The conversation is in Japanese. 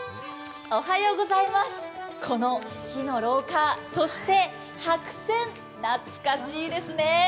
この木の廊下、そして白線、懐かしいですね。